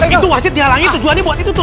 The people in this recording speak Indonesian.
itu wasit dialangi tujuannya buat itu tuh